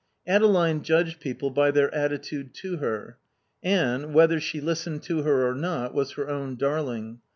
Adeline judged people by their attitude to her. Anne, whether she listened to her or not, was her own darling.